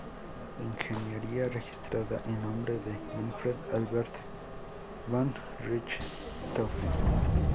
Ingeniería, registrada en nombre de Manfred Albert von Richthofen.